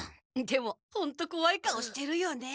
でもホントこわい顔してるよね。